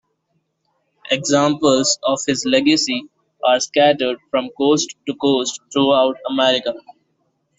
Examples of his legacy are scattered from coast to coast throughout America.